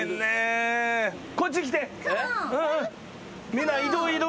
みんな移動移動。